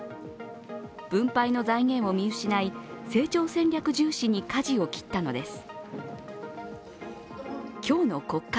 分配の財源を見失い成長戦略重視にかじを切ったのです。